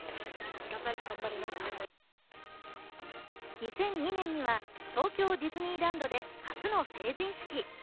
２００２年には東京ディズニーランドで初の成人式。